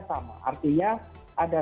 sama artinya ada